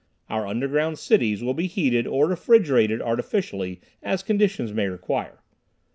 Our underground cities will be heated or refrigerated artificially as conditions may require.